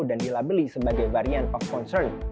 dan dilabeli sebagai varian of concern